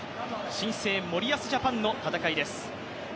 新生・森保ジャパンの戦いです。